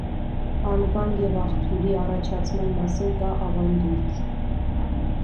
Անվան և աղբյուրի առաջացման մասին կա ավանդույթ։